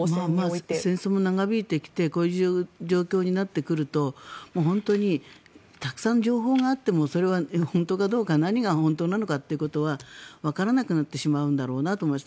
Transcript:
戦争が長引いてきてこういう状況になってくると本当にたくさん情報があってもそれは本当かどうか何が本当なのかということはわからなくなってしまうんだろうなと思います。